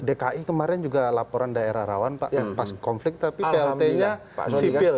dki kemarin juga laporan daerah rawan pak pas konflik tapi plt nya pasti kan